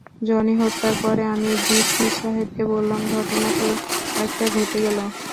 Johnny হত্যার পরে আমি ডিসি সাহেবকে বললাম, ঘটনা তো একটা ঘটে গেল।